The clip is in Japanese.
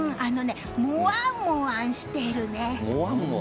もわんもわんしてるね。